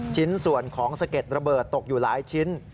ชิ้นส่วนของสะเก็ดระเบิดตกอยู่หลายชิ้น